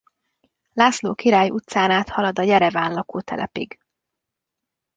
László király utcán át halad a Jereván lakótelepig.